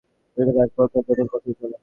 প্রক্রিয়াটি এক পরোক্ষ জটিল পথে চলে।